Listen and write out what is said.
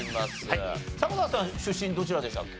迫田さん出身どちらでしたっけ？